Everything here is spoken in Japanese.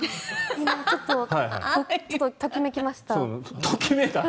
今、ちょっとときめきました。